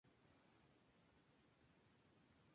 Be Mad engloba su programación en diferentes contenedores.